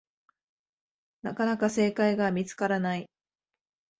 なかなか正解が見つからない